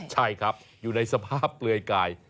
ใช่ครับอยู่ในสภาพเปลือยกาย